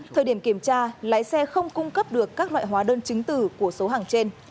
thời điểm kiểm tra lái xe không cung cấp được các loại hóa đơn chứng tử của số hàng trên